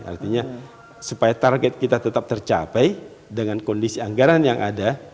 artinya supaya target kita tetap tercapai dengan kondisi anggaran yang ada